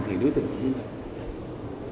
thì đối tượng